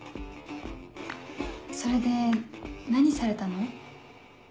それで何されたの？